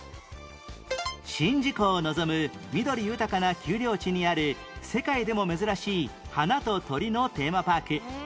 宍道湖を望む緑豊かな丘陵地にある世界でも珍しい花と鳥のテーマパーク